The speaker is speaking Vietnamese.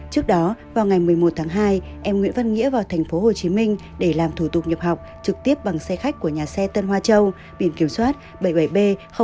trước đó vào ngày một mươi một tháng hai em nguyễn văn nghĩa vào thành phố hồ chí minh để làm thủ tục nhập học trực tiếp bằng xe khách của nhà xe tân hoa châu biển kiểm soát bảy mươi bảy b hai nghìn bốn trăm năm mươi bảy